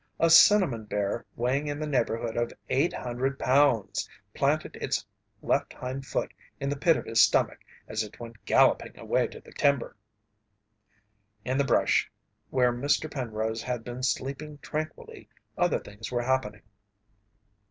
A cinnamon bear weighing in the neighbourhood of eight hundred pounds planted its left hind foot in the pit of his stomach as it went galloping away to the timber. In the brush where Mr. Penrose had been sleeping tranquilly other things were happening.